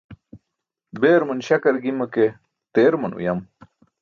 Beeruman śakar gima ke teeruman uyam.